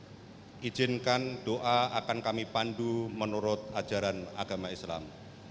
dan izinkan doa akan kami pandu menurut ajaran agama islam